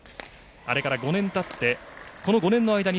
あれから５年たってこの５年の間に